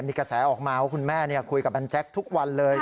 มีกระแสออกมาว่าคุณแม่คุยกับบันแจ๊กทุกวันเลย